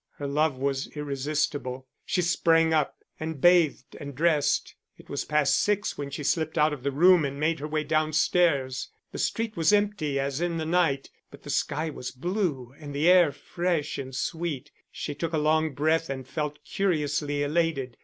Her love was irresistible. She sprang up, and bathed, and dressed. It was past six when she slipped out of the room and made her way downstairs. The street was empty as in the night; but the sky was blue and the air fresh and sweet, she took a long breath and felt curiously elated.